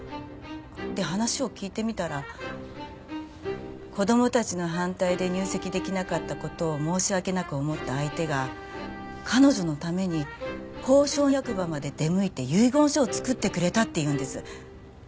で話を聞いてみたら子供たちの反対で入籍出来なかった事を申し訳なく思った相手が彼女のために公証役場まで出向いて遺言書を作ってくれたっていうんです。